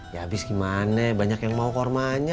ya habis gimana banyak yang mau kormanya